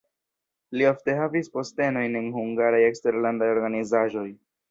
Li ofte havis postenojn en hungaraj eksterlandaj organizaĵoj.